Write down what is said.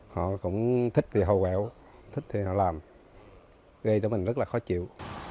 họ cũng thích thì họ quẹo thích thì họ làm gây cho mình rất là khó chịu